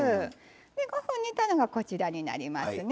５分煮たのがこちらになりますね。